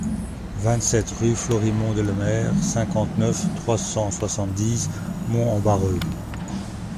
vingt-sept rue Florimond Delemer, cinquante-neuf, trois cent soixante-dix, Mons-en-Barœul